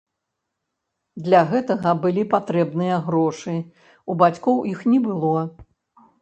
Для гэтага былі патрэбныя грошы, у бацькоў іх не было.